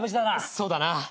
そうだな。